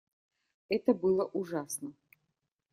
Это было ужасно.